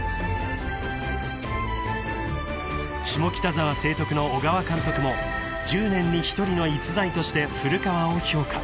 ［下北沢成徳の小川監督も１０年に一人の逸材として古川を評価］